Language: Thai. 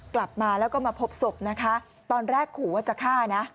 กลับมาแล้วก็มาพบศพนะคะตอนแรกขู่ว่าจะฆ่านะ